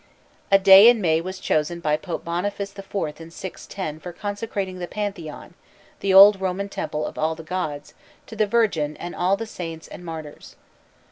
A day in May was chosen by Pope Boniface IV in 610 for consecrating the Pantheon, the old Roman temple of all the gods, to the Virgin and all the saints and martyrs.